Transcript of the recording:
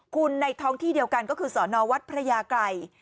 คุณในท้องที่เดียวกันก็คือสอนอวัดพระยาไกร